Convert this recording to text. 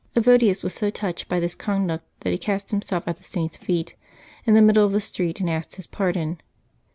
Evodius was so touched by this conduct that he cast himself at the Saint's feet, in the middle of the street, and asked his pardon.